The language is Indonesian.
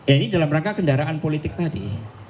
ini dalam rangka kendaraan politik tadi